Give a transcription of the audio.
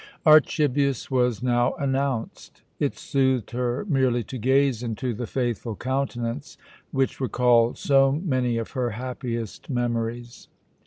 Archibius was now announced. It soothed her merely to gaze into the faithful countenance, which recalled so many of her happiest memories.